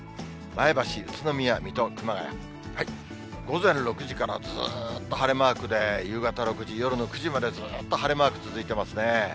前橋、宇都宮、水戸、熊谷、午前６時からずーっと晴れマークで、夕方６時、夜の９時までずーっと晴れマーク続いてますね。